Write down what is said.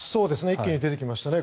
一気に出てきましたね。